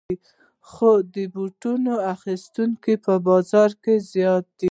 خو د بوټانو اخیستونکي په بازار کې زیات دي